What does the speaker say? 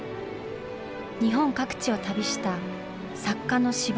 日本各地を旅した作家の司馬